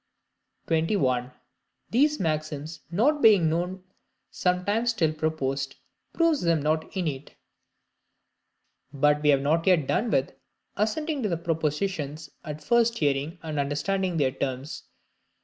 21. These Maxims not being known sometimes till proposed, proves them not innate. But we have not yet done with "assenting to propositions at first hearing and understanding their terms."